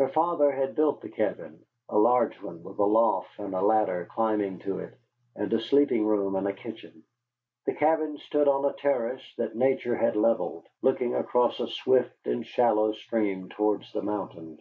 Her father had built the cabin, a large one with a loft and a ladder climbing to it, and a sleeping room and a kitchen. The cabin stood on a terrace that nature had levelled, looking across a swift and shallow stream towards the mountains.